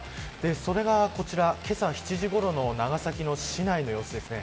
それがこちら、けさ７時ごろの長崎市内の様子です。